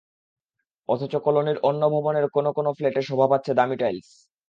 অথচ কলোনির অন্য ভবনের কোনো কোনো ফ্ল্যাটে শোভা পাচ্ছে দামি টাইলস।